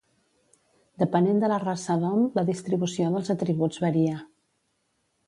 Depenent de la raça d'hom, la distribució dels atributs varia.